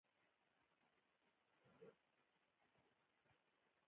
د نیوتن لومړی قانون د حرکت تسلسل دی.